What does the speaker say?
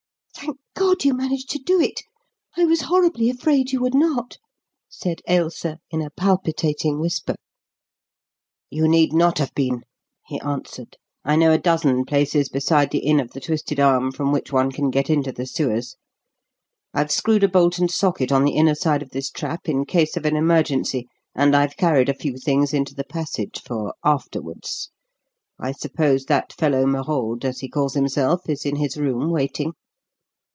"Thank God you managed to do it. I was horribly afraid you would not," said Ailsa in a palpitating whisper. "You need not have been," he answered. "I know a dozen places beside 'The Inn of the Twisted Arm' from which one can get into the sewers. I've screwed a bolt and socket on the inner side of this trap in case of an emergency, and I've carried a few things into the passage for 'afterwards.' I suppose that fellow Merode, as he calls himself, is in his room, waiting?"